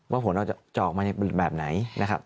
ว่าผลจะออกมาในบริษัทแบบไหนนะครับ